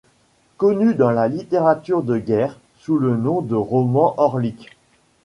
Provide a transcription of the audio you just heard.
Connu dans la littérature de guerre sous le nom de Roman Orlik.